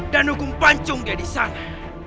dan hukum pancungnya di sana